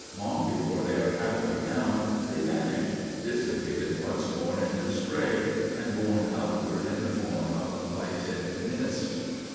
Long before they are half way down, they vanish, dissipated once more into spray, and borne upward in the form of lighted mist.